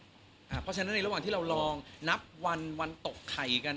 เพราะฉะนั้นในระหว่างที่เราลองนับวันวันตกไข่กัน